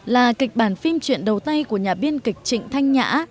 là kịch bản phim truyện đầu tay của nhà biên kịch trịnh thanh nhã